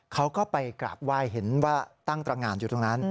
เขาก็ไปกราบไหว้เห็นว่าตั้งตรงานอยู่ตรงนั้น